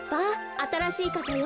あたらしいかさよ。